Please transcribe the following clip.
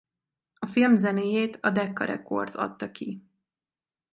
A film zenéjét a Decca Records adta ki.